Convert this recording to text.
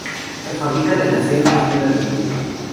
Se fabrican en acero y fibra de vidrio.